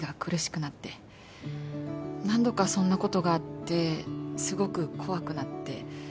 何度かそんな事があってすごく怖くなって。